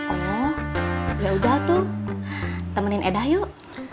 oh ya udah tuh temenin eda yuk